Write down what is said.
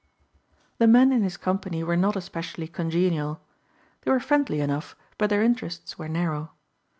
The men in his company were not especially congenial. They were friendly enough but their interests were narrow.